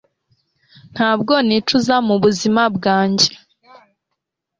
ntabwo nicuza mu buzima bwanjye